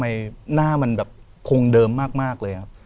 ไหนแบบคงเดิมมากครับ